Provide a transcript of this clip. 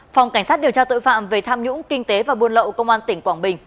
phòng cảnh sát điều tra tội phạm về tham nhũng kinh tế và buôn lậu công an tỉnh quảng bình